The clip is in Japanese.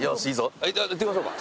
行ってみましょうか。